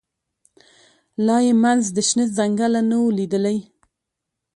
لا یې منځ د شنه ځنګله نه وو لیدلی